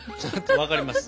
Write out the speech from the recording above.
わかります。